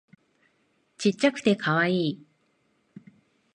ちっちゃくてカワイイ